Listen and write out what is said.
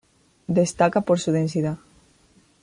Destaca por su densidad.